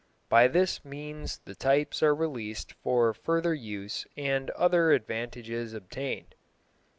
By this means the types are released for further use and other advantages obtained.